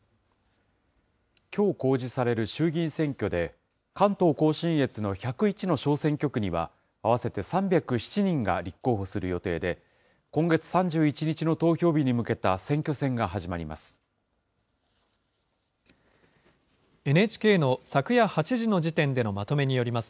きょう公示される衆議院選挙で、関東甲信越の１０１の小選挙区には、合わせて３０７人が立候補する予定で、今月３１日の投票日に向けた選挙戦が始まります。